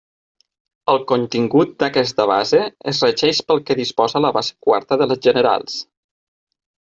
El contingut d'aquesta base es regeix pel que disposa la base quarta de les generals.